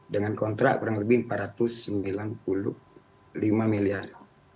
dengan kontrak kurang lebih rp empat ratus sembilan puluh lima miliar